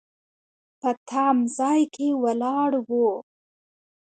په تم ځای کې ولاړ و.